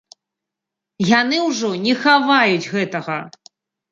Яны ўжо не хаваюць гэтага!